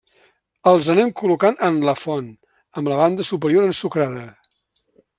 Els anem col·locant en la font, amb la banda superior ensucrada.